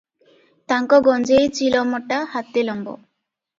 ତାଙ୍କ ଗଞ୍ଜେଇ ଚିଲମଟା ହାତେ ଲମ୍ବ ।